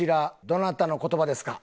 どなたの言葉ですか？